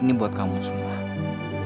ini buat kamu semua